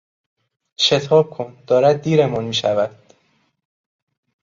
شتاب کن دارد دیرمان میشود!